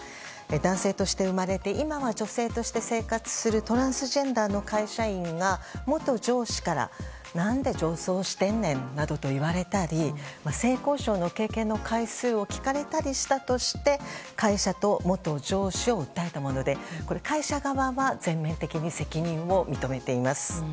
男性として生まれて今は女性として生活するトランスジェンダーの会社員が上司から何で女装してんねんなどと言われたり性交渉の経験の回数を聞かれたりしたとして会社と元上司を訴えたもので会社側は全面的に責任を認めています。